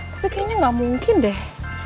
tapi kayaknya nggak mungkin deh